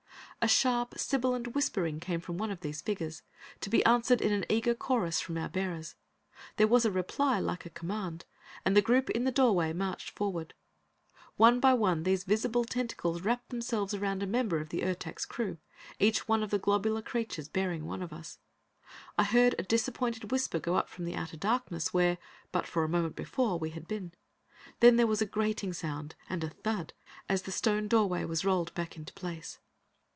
A sharp, sibilant whispering came from one of these figures, to be answered in an eager chorus from our bearers. There was a reply like a command, and the group in the doorway marched forward. One by one these visible tentacles wrapped themselves around a member of the Ertak's crew, each one of the globular creatures bearing one of us. I heard a disappointed whisper go up from the outer darkness where, but a moment before, we had been. Then there was a grating sound, and a thud as the stone doorway was rolled back into place.